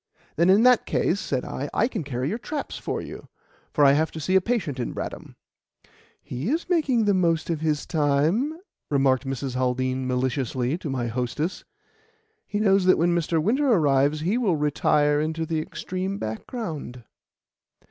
"Then, in that case," said I, "I can carry your traps for you, for I have to see a patient in Bradham." "He is making the most of his time," remarked Mrs. Haldean maliciously to my hostess. "He knows that when Mr. Winter arrives he will retire into the extreme background."